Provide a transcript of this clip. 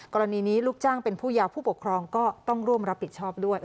กรณีนี้ลูกจ้างเป็นผู้ยาวผู้ปกครองก็ต้องร่วมรับผิดชอบด้วย